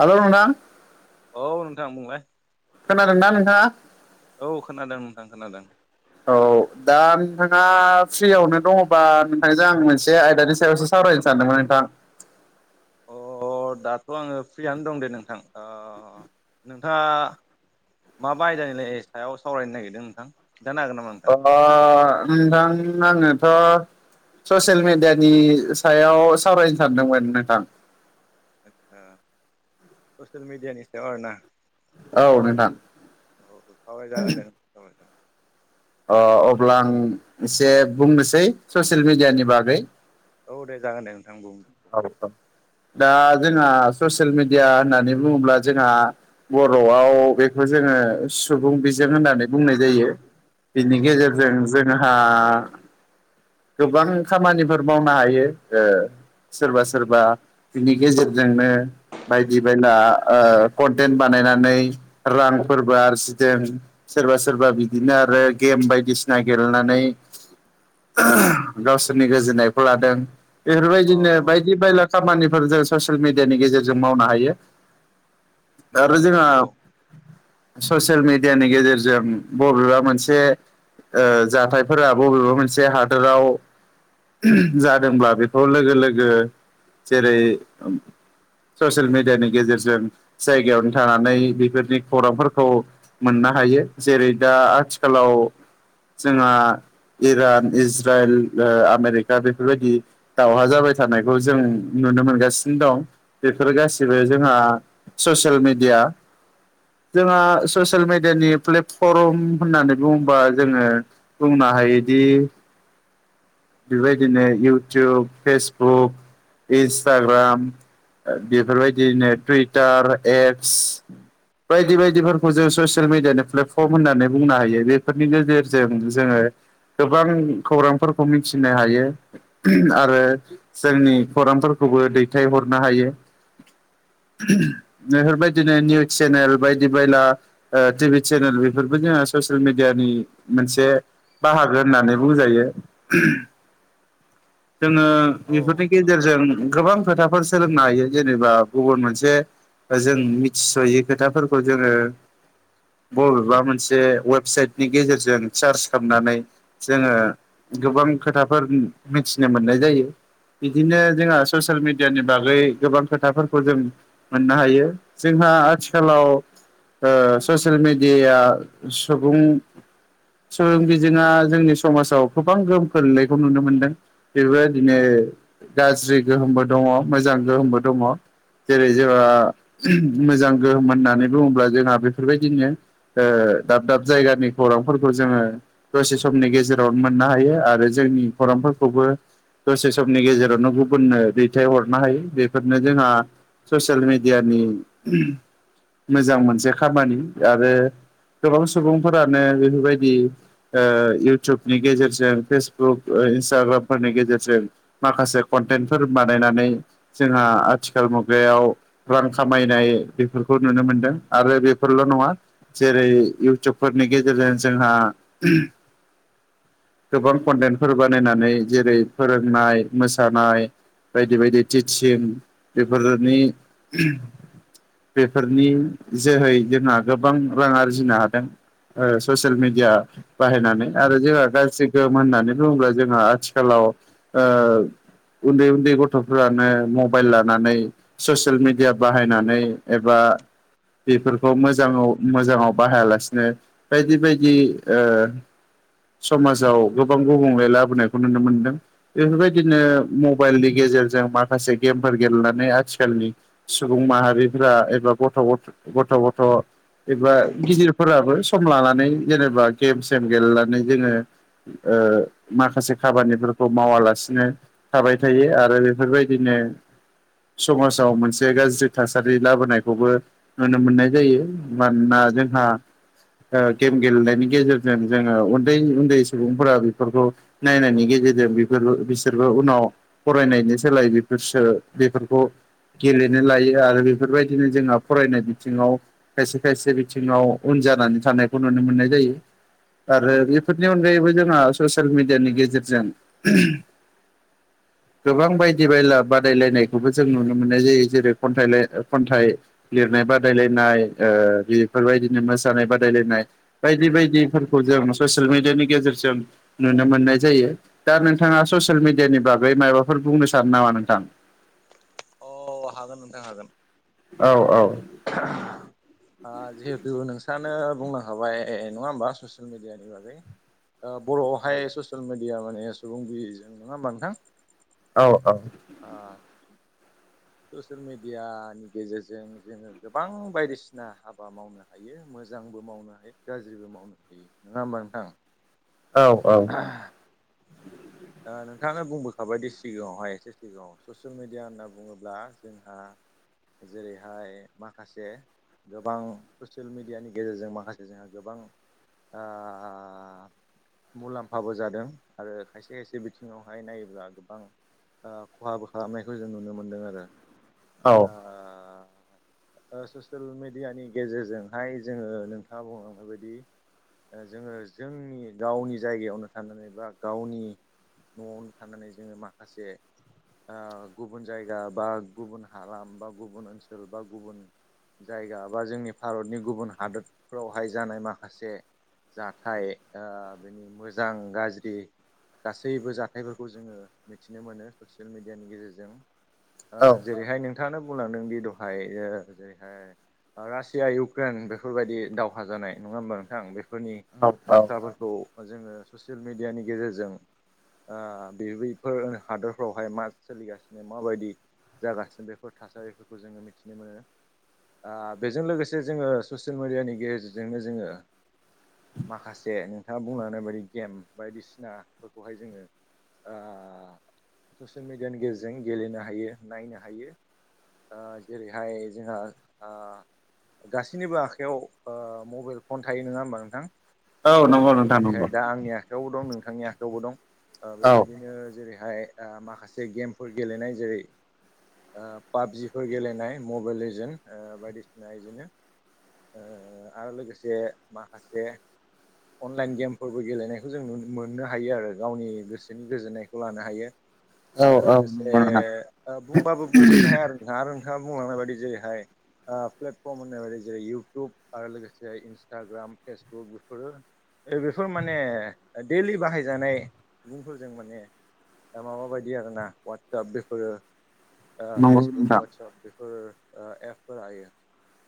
हेल' नोंथां। औ नोंथां बुंलाय। खोनादों ना नोंथाङा? औ खोनादों नोंथां खोनादों। औ दा नोंथाङा फ्रियावनो दङबा नोंथांजों आं मोनसे आयदानि सायावसो सावरायनो सान्दोंमोन नोंथां। अ- दाथ' आङो फ्रियानो दं दे नोंथां अ- नोंथाङा माबा आयदानिलाय सायाव सावरायनो नागिरदों नोंथां खिथानो हागोन नामा? नोंथां ओ अ-अ- नोंथां आङोथ' ससेल मेडियानि सायाव सावरायनो सानदोंमोन नोंथां। आटसा ससेल मिडियानि सायाव आरो ना? औ नोंथां औ सावराय जागोन दे सावराय जागोन। अ- अब्ला आं एसे बुंनोसै ससेल मिडियानि बागै। औ दे जागोन दे नोंथां बुं। दा जोंहा ससेल मिडिया होननानै बुङोब्ला जोंहा बर'आव बेखौ जोङो सुबुं बिजों होननानै बुंनाय जायो। बिनि आदसा आदसा औ गेजेरजों जोंहा गोबां खामानिफोर मावनो हायो ओ सोरबा-सोरबा बिनि गेजेरजोंनो बायदि-बायला ओ कन्टेन्ट बानायनानै रांफोरबो आरजिदों। सोरबा-सोरबा बिदिनो आरो गेम बायदिसिना गेलेनानै [inaudible] गावसोरनि गोजोननायखौ लादों औ बेफोरबायदिनो औ बायदि- बायला खामानिफोर जों ससियेल मिडियानि गेजेरजों मावनो हायो नंगौ आरो नोंथां जोंहा नंगौ ससियेल मिेडियानि गेजेरजों बबेबा मोनसे जाथायफोरा बबेबा मोनसे हादोराव जादोंब्ला बेखौ लोगो लोगो जेरै ससियेल मिडियानि गेजेरजों जायगायावनो थानानै बेफोरनि खौरांफोरखौ मोननो हायो जेरै दा आथिखालाव जोंहा इराद इज्राइल आमेरिका बेफोरबायदि दावहा जाबाय थानायखौ जों नुनो मोनगासिनो दं बेफोर गासिबो जोंहा ससियेल मिडिया जोंहा ससियेल मेडियानि प्लेटफर्म होननानै बुङोबा जोङो बुंनो हायोदि बेबायदिनो इउटुब फेसबुक इन्सटाग्राम बेफोरबायदिनो टुइटार एप [unintelligible] बायदि बायदिफोर जों ससियेल मिडियानि प्लेटफर्म होननानै बुंनो हायो बेफोरनि गेजेरजों जोङो गोबां खौरांफोरखौ मिथिनो हायो। आरो जोंनि खौरांफोरखौबो दैथायहरनो हायो। [inaudible] बेफोरबायदिनो निउस चेनेल बायदि बायला टिभि चेनेल बेफोरबो जोंहा ससियेल मिेडियानि मोनसे बाहागो होननानै बुंजायो। [inaudible] जोङो औ बेफोरनि नोंथां गेजेरजों गोबां खोथाफोर सोलोंनो हायो जेनेबा गुबुन मोनसे जों मिथिस'यै खोथाफोरखौ जोङो बबेबा मोनसे वेबसाइटनि गेजेरजों सार्च खालामनानै जोङो गोबां खोथाफोर मिथिनो मोननाय जायो। बिदिनो जोंहा ससियेल मेडियानि बागै गोबां खोथाफोरखौ जों मोननो हायो जोंहा आथिखालाव ओ ससियेल मेडियाया सुबुं सोंबिजोङा जोंनि समाजाव गोबां गोहोम खोलैनायखौ नुनो मोनदों बेफोर बादिनो गाज्रि गोहोमबो दङ मोजां गोहोमबो दङ जेरै जोंहा मोजां गोहोम होननानै बुङोब्ला जोंहा बेफोरबायदिनो दाब दाब जायगानि खौरांफोरखौ जोङो दसे समनि गेजेराव मोननो हायो आरो जोंनि फरामफोरखौबो दसे समनि गेजेरावनो गुबुननो दैथायहरनो हायो बेफोरनो जोंहा ससियेल मिडियानि मोजां मोनसे खामानि आरो गोबां सुबुंफोरानो बेफोरबायदि इउटुब नि गेजेरजों फेसबुक इन्सटाग्रामफोरनि गेजेरजों माखासे कन्टेन्टफोर बानायनानै जोंहा आथिखाल मुगायाव रां खामायनाय बेफोरखौ नुनो मोनदों आरो बेफोरल' नङा जेरै इउटुबफोरनि गेजेरजों जोंहा गोबां कन्टेन्टफोर बानायनानै जेरै फोरोंनाय मोसानाय बायदि बायदि टिचिं बेफोरनि बेफोरनि जोहै जोंहा गोबां रां आरजिनो हादों ससियेल मिडिया बाहायनानै आरो जोंहा गाज्रि गोहोम होननानै बुङोब्ला जोंहा आथिखालाव ओ उन्दै उन्दै गथ'फोरानो मबाइल लानानै ससियेल मिडिया बाहायनानै एबा बेफोरखौ मोजाङाव मोजाङाव बाहायालासिनो बायदि बायदि समाजाव गोबां गुबुंले लाबोनायखौ नुनो मोनदों बेफोरबायदिनो मबाइलनि गेजेरजों माखासे गेमफोर गेलेनानै आथिखालनि सुबुं माहारिफोरा एबा गथ' गथ' गथ' एबा गिदिरफोराबो सम लानानै जेनेबा गेम सेम गेलेनानै जोङो ओ माखासे खामानिफोरखौ मावालासिनो थाबाय थायो आरो बेफोरबायदिनो समाजाव मोनसे गाज्रि थासारि लाबोनायखौबो नुनो मोननाय जायो मानोना जोंहा ओ गेम गेलेनायनि गेजेरजों जोङो उन उन्दै उन्दै सुबुंफोरा बेफोरखौ नायनायनि गेजेरजों बेफोरबो बिसोरबो उनाव फरायनायनि सोलाय बेफोरसो बेफोरखौ गेलेनो लायो आरो बेफोरबायदिनो जोंहा फरायनाय बिथिङाव खायसे खायसे बिथिङाव उन जानानै थानायखौ नुनो मोननाय जायो आरो बे फोरनि अनगायैबो जोंहा ससियेल मिडियानि गेजेरजों गोबां बायदि बायला बादायलायनायखौबो जों नुनो मोननाय जायो जेरै खन्थाइलाय खन्थाइ लिरनाय बादायलायनाय ओ बेफोरबायदिनो मोसानाय बादायलायनाय बायदि बायदिफोरखौ जों ससियेल मिडियानि गेजेरजों नुनो मोननाय जायो दा नोंथाङा ससियेल मिडियानि बागै मायाबाफोर बुंनो सानो नामा नोंथां? अ हागोन नोंथां हागोन। औ औ जिहेथु नोंस्रानो बुंनो हाबाय नङा होमबा ससियेल मिडियानि बागै ओ बर'आवहाय ससियेल मिडिया माने सुबुं बिजों नङा होमबा नोंथां? औ औ ओ ससियेल मिडियानि गेजेरजों जोङो गोबां बायदिसिना हाबा मावनो हायो मोजांबो मावनो हायो गाज्रिबो मावनो हायो नङा होमबा नोंथां? औ औ ओ नोंथाङा बुंबोखाबायदि सिगाङावहाय एसे सिगाङाव ससियेल मिडिया होनना बुङोब्ला जोंहा जेरैहाय माखासे गोबां ससियेल मेडियानि गेजेरजों माखासे जोंहा गोबां ओ मुलाम्फाबो जादों आरो खायसे खायसे बिथिङावहाय नायोब्ला गोबां ओ खहाबो खालामनायखौ जों नुनो मोनदों आरो औ ओ ओ ससियेल मेडियानि गेजेरजोंहाय जोङो नोंथाङा बुंलांनाय बायदि ओ जोङो जोंनि गावनि जायगायावनो थानानै बा गावनि न'आवनो थानानै जोङो माखासे ओ गुबुन जायगा बा गुबुन हालाम बा गुबुन ओनसोल बा गुबुन जायगा बा जोंनि भारतनि गुबुन हादोरफ्रावहाय जानाय माखासे जाथाय ओ बेनि मोजां गाज्रि गासैबो जाथायफोरखौ जोङो मिथिनो मोनो ससियेल मिडियानि गेजेरजों ओ औ जेरैहाय नोंथाङानो बुंलांदोंदि दहाय ओ जेरैहाय ओ रासिया इउक्रेन बेफोरबायदि दावहा जानाय नङा होमबा नोंथां बे फोरनि औ बाथ्राफोरखौ जोङो ससियेल मेडियानि गेजेरजों ओ बे बैफोर हादरफ्रावहाय मा सोलिगासिनो माबादि जागासिनो बेफोर थासारिफोरखौ जोङो मिथिनो मोनो आ बेजों लोगोसे जोङो ससियेल मिडियानि गेजेरजोंनो जोङो माखासे नोंथाङा बुंलनाय बायदि गेम बायदिसिना फोरखौहाय जोङो ओ ससियेल मिडियानि गेजेरजों गेलेनो हायो नायनो हायो ओ जेरैहाय जोंहा ओ गासैनिबो आखायाव ओ मबाइल फन थायो नङा होमबा नोंथां? औ ओ नंगौ नोंथां नंगौ जेरैहाय दा आंनि आखायावबो दं नोंथांनि आखायावबो दं ओ औ बेबायदिनो जेरै हाय ओ माखासे गेमफोर गेलेनाय जेरै ओ पाबजिफोर गेलेनाय मबाइल लिजेन ओ बायदिसिना इदिनो ओ आरो लोगोसे माखासे अनलाइन गेमफोरबो गेलेनायखौ जों नुनो मोननो हायो आरो गावनि गोसोनि गोजोननायखौ लानो हायो औ आरो औ लोगोसे नंगौ नोंथां ओ बुंबाबो बुंजोबनो हाया आरो नोंथाङा आरो नोंथाङा बुंलांनाय बायदि जेरैहाय ओ प्लेटफर्म होननाय बायदि जेरै इउटुब आरो लोगोसे इन्सटाग्राम फेसबुक बेफोरो बेफोर माने दैलि बाहायजानाय सुबुंफोरजों माने दा माबाबायदि आरोना वाट्सप बेफोरो ओ नंगौ फेसबुक नोंथां वाट्सप बेफोर ओ एपफोर हायो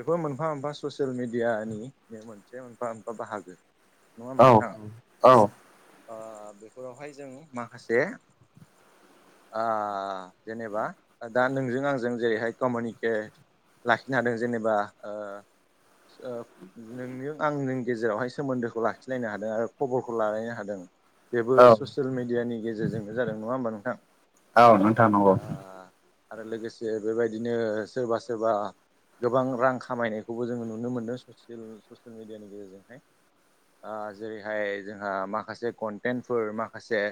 बेफोर मोनफा मोनफा ससियेल मिडियानि [unintelligible] मोनसे मोनफा मोनफा बाहागो नङा औ होनबा नोंथां? औ ओ बेफोरावहाय जों माखासे आ जेनेबा दा नोंजों आंजों जेरैहाय कमिउनिके लाखिनो हादों जेनेबा ओ ओ नोंनों आंनों गेजेरावहाय सोमोन्दोखौ लाखिलायनो हादों आरो खबरखौ लालायनो हादों। बेबो औ ससियेल मिडियानि गेजेरजोंनो जादों नङा होमबा नोंथां ओ [unintelligible] आरो लोगोसे बेबायदिनो सोरबा सोरबा गोबां रां खामायनायखौबो जोङो नुनो मोन्दों ससियेल ससियेल मिडियानि गेजेरजोंहाय आ जेरैहाय जोंहा माखासे कन्टेन्टफोर माखासे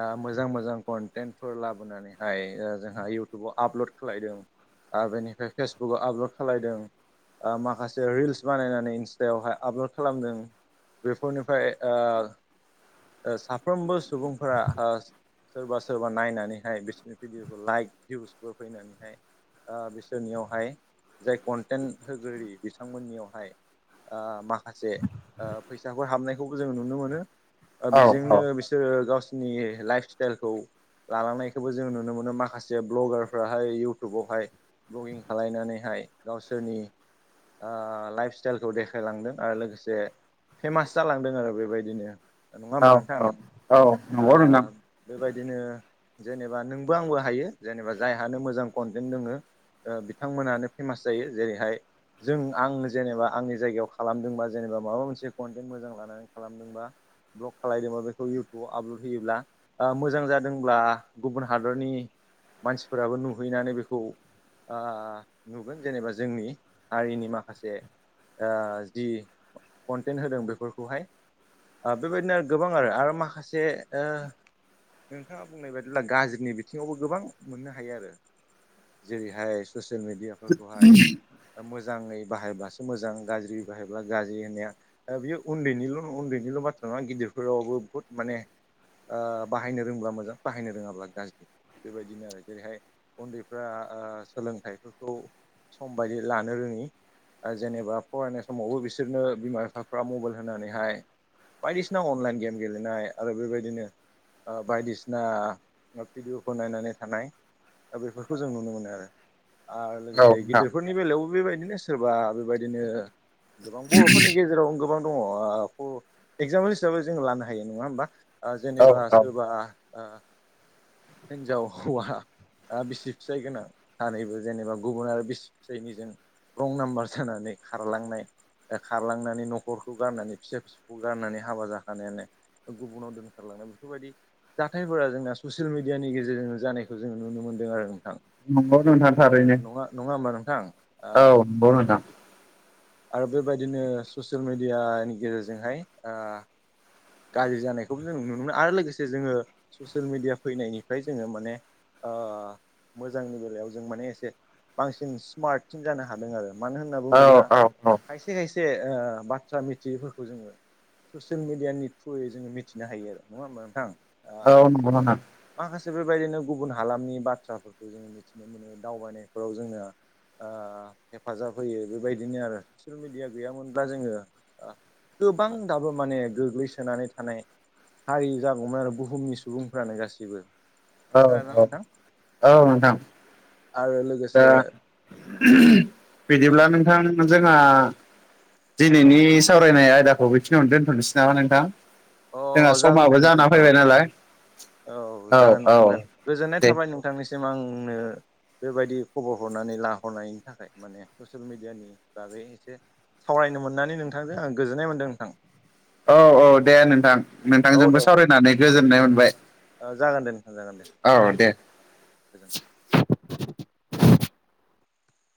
आ मोजां मोजां कन्टेन्टफोर लाबोनानैहाय ओ जोंहा इउटुबाव आपलड खालायदों आर बेनिफ्राय फेसबुकाव आपल'ड खालायदों ओ माखासे रिल्स बानायनानै इन्स्टायावहाय आपल'ड खालामदों बेफोरनिफ्राय ओ ओ साफ्रोमबो सुबुंफोरा ओस सोरबा सोरबा नायनानैहाय बिसिनि भिडिअखौ लाइक भिउसफोर फैनानैहाय ओ बिसोरनियावहाय जाय कन्टेन्ट होगोरि बिथांमोननियावहाय ओ माखासे ओ फैसाफोर हाबनायखौबो जों नुनो मोनो ओ औ औ बेजोंनो बिसोरो गावसिनि लाइफ स्टाइलखौ लालांनायखौबो जों नुनो मोनो माखासे भ्लगारफ्राहाय इउटुबावहाय ब्ल'गिं खालायनानैहाय गावसोरनि आ लाइफ स्टाइलखौ देखायलांदों आरो लोगोसे फेमास जालांदों आरो बे बायदिनो नङा औ होमबा नोंथां। औ औ आ नंगौ नोंथां बे बायदिनो जेनेबा नोंबो आंबो हायो जेनेबा जायहानो मोजां कन्टेन्ट दोङो। बिथांमोनानो फेमास जायो। जेरैहाय जों आं जेनेबा आंनि जायगायाव खालामदोंबा जेनेबा माबा मोनसे कन्टेन्ट मोजां लानानै खालाम ब्लग खालायदोंबा बेखौ इउटुबाव आपलड होयोब्ला आ मोजां जादोंब्ला गुबुन हादरनि मानसिफोराबो नुहैनानै बेखौ आ नुगोन जेनेबा जोंनि हारिनि माखासे ओ जि कन्टेन्ट होदों बेफोरखौहाय बे बायदिनो गोबां आरो। आरो माखासे ओ नोंथाङा बुंनाय बादिब्ला गाज्रिनि बिथिङावबो गोबां मोननो हायो आरो। जेरैहाय ससियेल मिडियाफोरखौहाय मोजाङै बाहायब्लासो मोजां गाज्रि बाहायब्ला गाज्रि होननाया बेयो उन्दैनिल' उन्दैनिल' बाथ्रा नङा, गिदिरफोरावबो बुहुद माने ओ बाहायनो रोंब्ला मोजां बाहायनो रोङाब्ला गाज्रि। बे बायदिनो आरो जेरैहाय उन्दैफ्रा ओ सोलोंथाइफोरखौ सम बायदि लानो रोङि। जेनेबा फरायनाय समावबो बिसोरनो बिमा बिफाफ्रा मबाइल होनानैहाय बायदिसिना अनलाइन गेम गेलेनाय आरो बे बायदिनो बायदिसिना भिडिअफोर नायनानै थानाय दा बेफोरखौ जों नुनो मोनो आरो। आरो औ लोगोसे नोंथां गिदिरफोरनि बेलायावबो बे बायदिनो सोरबा बे बायदिनो गोबां बर'फोरनि गेजेराव गोबां दङ। एगजामपोल हिसाबै जोङो लानो हायो नङा होमबा। औ जेनेबा औ सोरबा हिन्जाव हौवा बिसि फिसाइ गोनां सानैबो जेनेबा गुबुन आरो बिसि फिसायनिजों रं नाम्बार जानानै खारलांनाय खारलांनानै न'खरखौ गारनानै फिसा फिसौ गाननानै हाबा जाखानायानो गुबुनाव दोनथारलांनाय बेफोरबायदि जाथायफोरा जोंना ससियेल मिडियानि गेजेरजोंनो जानायखौ जोङो नुनो मोनदों आरो नोंथां। नंगौ नोंथां थारैनो नङा नङा होनबा नोंथां। [unintelligible] आरो बे बायदिनो ससियेल मेडियानि गेजेरजोंहाय गाज्रि जानायखौबो जों नुनो मोनो आरो। लोगोसे जोङो ससियेल मिडिया फैनायनिफ्राय जोङो माने मोजांनि बेलायाव जों माने एसे बांसिन स्मार्टसिन जानो हादों आरो। मानो होनना औ बुङोब्ला औ औ खायसे खायसे बाथ्रा मिथियैफोरखौ जोङो ससियेल मिडियानि थ्रुयै जोङो मिथिनो हायो आरो नङा होमबा नोंथां। ओ औ नंगौ नामा। माखासे बे बायदिनो गुबुन हालामनि बाथ्राफोरखौ जोंङो मिथिनो मोनो दावबायनायफोराव जोंना हेफाजाब होयो बे बायदिनो आरो ससियेल मिडिया गैयामोनब्ला जोङो गोबां दाबो माने गोग्लैसोनानै थानाय हारि जागौमोन आरो बुहुमनि सुबुंफ्रानो गासैबो। औ खानादोंना औ नोंथां? औ नोंथां आरो लोगोसे दा बिदिब्ला नोंथां जोंहा दिनैनि सावरायनाय आयदाखौ बेखिनियावनो दोनथ'नोसै नामा नोंथां। अ जोंहा जागोन दे समाबो जाना नोंथां औ फैबाय नालाय औ जागोन नोंथां जागोन। गोजोननाय दे थाबाय नोंथांनिसिम आंनो बे बायदि खबर हरनानै लाहरनायनि थाखाय माने ससियेल मिडियानि बागै एसे सावरायनो मोननानै नोंथांजों आं गोजोननाय मोनदों नोंथां। औ औ दे नोंथां औ नोंथांजोंबो दे सावरायनानै गोजोननाय मोनबाय औ दे गोजोनथों